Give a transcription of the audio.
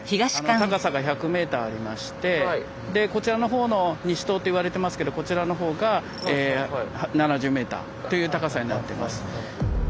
高さが１００ｍありましてでこちらの方の西棟っていわれてますけどこちらの方が７０ｍという高さになってます。